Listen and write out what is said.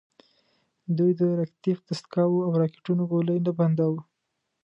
دوی د ریکتیف دستګاوو او راکېټونو ګولۍ نه بنداوه.